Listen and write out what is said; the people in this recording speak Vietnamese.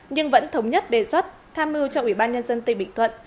nhưng vẫn thống nhất đề xuất tham mưu cho ủy ban nhân dân tây bình thuận